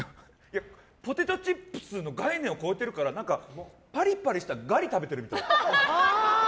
ポテトチップスの概念を超えてるからパリパリしたガリ食べてるみたい。